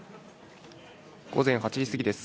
午前８時すぎです。